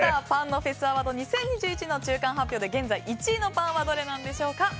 パンのフェスアワード２０２１の中間発表で現在１位のパンはどれなんでしょうか。